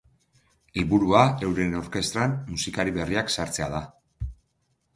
Helburua euren orkestran musikari berriak sartzea da.